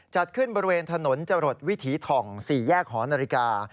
จัดขึ้นบริเวณถนนจรดวิถีถ่อง๔แยกหอนาฬิกา